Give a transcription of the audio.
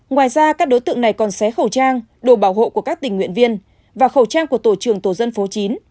ngoài ra các đối tượng này còn xé khẩu trang đồ bảo hộ của các tình nguyện viên và khẩu trang của tổ trưởng tổ dân phố chín